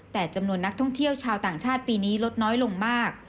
แต่จำนวนนักท่องเที่ยวชาวต่างชาติปีนี้ลดน้อยลงมาก